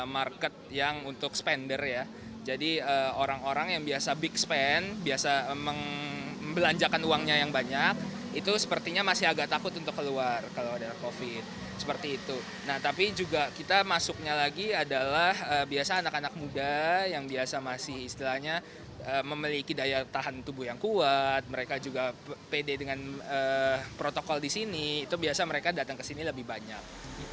mereka juga pede dengan protokol di sini itu biasa mereka datang ke sini lebih banyak